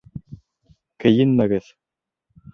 Кейенмәгеҙ!